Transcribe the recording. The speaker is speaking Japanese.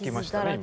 今。